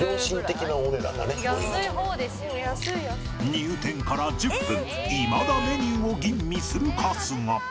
入店から１０分いまだメニューを吟味する春日。